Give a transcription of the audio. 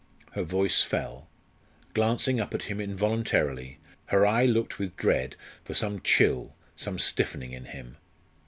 Her voice fell. Glancing up at him involuntarily, her eye looked with dread for some chill, some stiffening in him.